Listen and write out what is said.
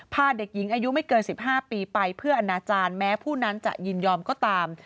พาเด็กหญิงอายุไม่เกิน๑๕ปีไปเพื่ออนาจารย์แม้ผู้นั้นจะยินยอมก็ตาม